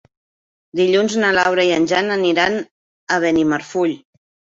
Dilluns na Laura i en Jan aniran a Benimarfull.